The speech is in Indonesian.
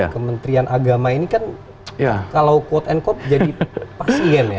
kementerian agama ini kan kalau quote unquote jadi pasien ya